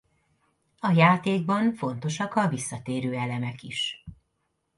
A játékban fontosak a visszatérő elemek is.